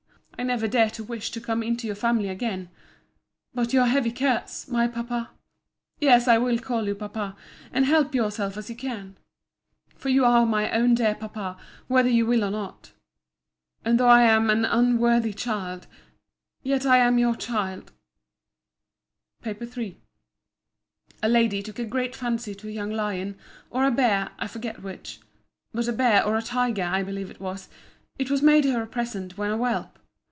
—I never dare to wish to come into your family again!—But your heavy curse, my Papa—Yes, I will call you Papa, and help yourself as you can—for you are my own dear Papa, whether you will or not—and though I am an unworthy child—yet I am your child— PAPER III A Lady took a great fancy to a young lion, or a bear, I forget which—but a bear, or a tiger, I believe it was. It was made her a present of when a whelp.